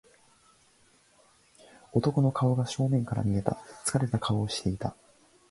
男の顔が正面から見えた。疲れた顔をしていた。